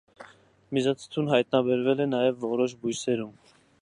Միզաթթուն հայտնաբերվել է նաև որոշ բույսերում։